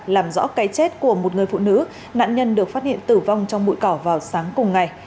làm rõ cái chết của một người phụ nữ nạn nhân được phát hiện tử vong trong bụi cỏ vào sáng cùng ngày